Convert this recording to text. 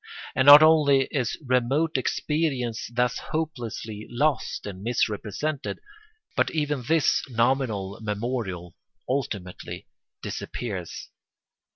And not only is remote experience thus hopelessly lost and misrepresented, but even this nominal memorial ultimately disappears.